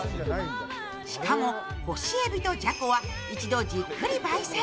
しかも干しえびとじゃこは一度じっくりばい煎。